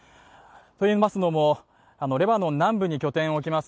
といいますのもレバノン南部に拠点を置きます